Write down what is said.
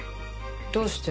どうして？